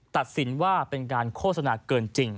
ตัดสินว่าเป็นการโฆษณาเกินจริง